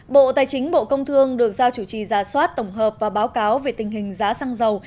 bộ tài chính bộ công thương được giao chủ trì giả soát tổng hợp và báo cáo về tình hình giá xăng dầu